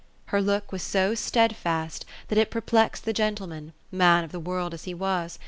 Her look was so steadfast that it perplexed the gentleman, man of the world as he was.